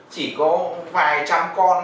chỉ có vài trăm con